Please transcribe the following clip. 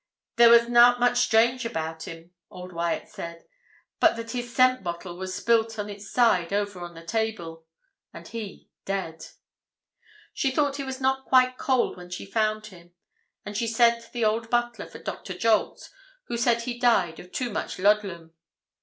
'There was nout much strange about him,' old Wyat said, 'but that his scent bottle was spilt on its side over on the table, and he dead.' She thought he was not quite cold when she found him, and she sent the old butler for Doctor Jolks, who said he died of too much 'loddlum.'